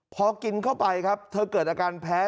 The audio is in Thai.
พอกินเข้าไปครับเธอเกิดอาการแพ้